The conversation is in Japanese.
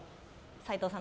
斉藤さん。